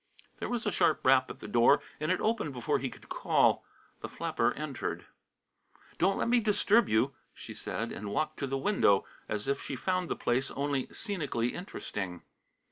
There was a sharp rap at the door and it opened before he could call. The flapper entered. "Don't let me disturb you," she said, and walked to the window, as if she found the place only scenically interesting.